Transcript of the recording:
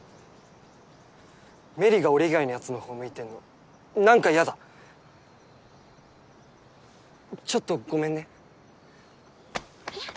芽李が俺以外のやつのほう向いてんのなんかやだちょっとごめんねえっ？